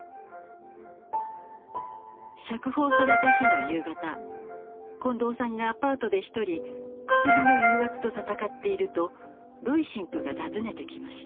釈放された日の夕方近藤さんがアパートで一人クスリの誘惑と闘っているとロイ神父が訪ねてきました。